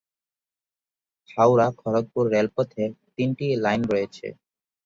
হাওড়া-খড়গপুর রেলপথে তিনটি লাইন রয়েছে।